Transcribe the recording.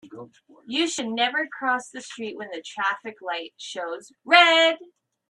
You should never cross the street when the traffic light shows red.